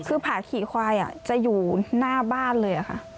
คือผ่าขี่ควายจะอยู่หน้าบ้านเลยค่ะ